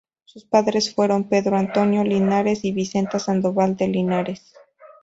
Sus padres fueron Pedro Antonio Linares y Vicenta Sandoval de Linares.